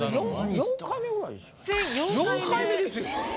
４回目ですよ。